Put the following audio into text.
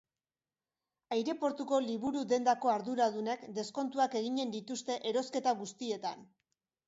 Aireportuko liburudendako arduradunek deskontuak eginen dituzte erosketa guztietan.